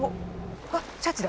わっシャチだ！